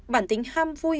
bản tính ham vui